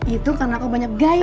itu karena aku banyak gaya